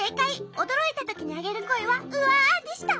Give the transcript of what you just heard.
おどろいたときにあげるこえは「うわ！」でした。